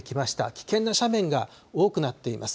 危険な斜面が多くなっています。